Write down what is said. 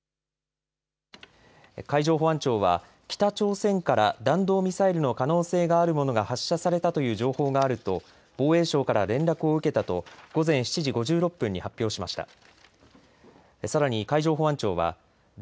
海上保安庁は北朝鮮から弾道ミサイルの可能性があるものが発射されたという情報があると防衛省から連絡を受けたと午前７時５６分に発表しました。